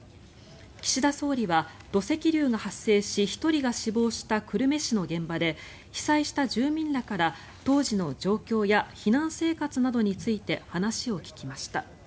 岸田総理は土石流が発生し１人が死亡した久留米市の現場で被災した住民らから当時の状況や避難生活などについて話を聞きました。